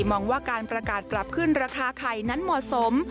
มองว่าการประกาศปรับขึ้นราคาไข่นั้นเหมาะสม